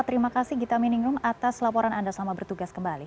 terima kasih gita miningrum atas laporan anda selamat bertugas kembali